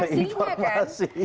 saling cari informasi